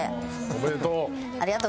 おめでとう。